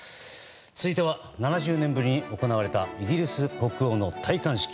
続いては、７０年ぶりに行われたイギリス国王の戴冠式。